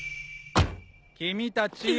君たち。